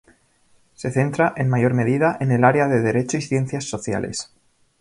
Se centra, en mayor medida, en el área de Derecho y Ciencias Sociales.